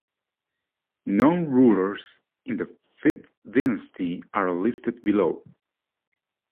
Known rulers in the Fifth Dynasty are listed below.